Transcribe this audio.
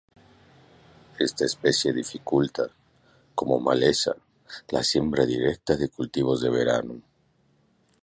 Esta especie dificulta, como maleza, la siembra directa de cultivos de verano.